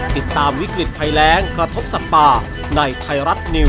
ติดตามวิกฤตไฟแร้งกระทบสัตว์ป่าในไทรัตนิวส์โชว์